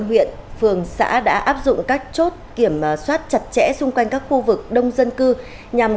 huyện phường xã đã áp dụng các chốt kiểm soát chặt chẽ xung quanh các khu vực đông dân cư nhằm